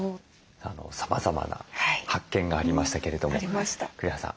さまざまな発見がありましたけれども栗原さん